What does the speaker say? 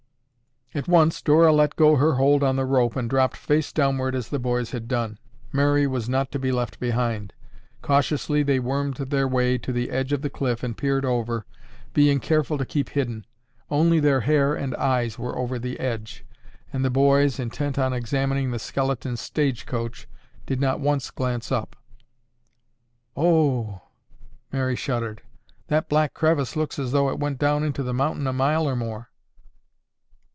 At once Dora let go her hold on the rope and dropped face downward as the boys had done. Mary was not to be left behind. Cautiously, they wormed their way to the edge of the cliff and peered over, being careful to keep hidden. Only their hair and eyes were over the edge, and the boys, intent on examining the skeleton stage coach, did not once glance up. "Oh oo!" Mary shuddered. "That black crevice looks as though it went down into the mountain a mile or more."